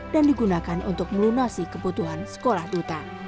dan digunakan untuk melunasi kebutuhan sekolah duta